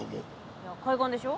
いや海岸でしょ。